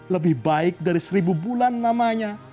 lebih baik dari seribu bulan namanya